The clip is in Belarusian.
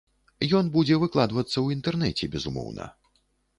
Ён будзе выкладвацца ў інтэрнэце, безумоўна.